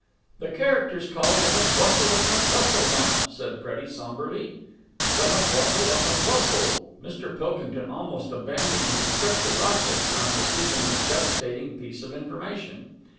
"The character's called 'The McWhustle of McWhustle' now!" said Freddie sombrely. The McWhustle of McWhustle! Mr. Pilkington almost abandoned his trip to Rochester on receiving this devastating piece of information.